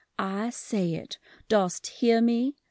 I say it! Dost hear me